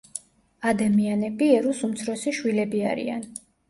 ადამიანები ერუს უმცროსი შვილები არიან.